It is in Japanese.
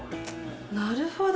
なるほど。